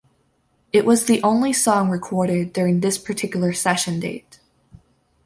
It was the only song recorded during this particular session date.